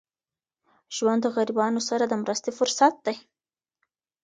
ژوند د غریبانو سره د مرستې فرصت دی.